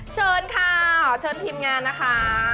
เชิญค่ะเชิญทีมงานนะคะ